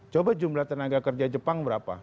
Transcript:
coba jumlah tenaga kerja jepang berapa